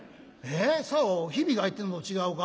さおヒビが入ってんの違うか。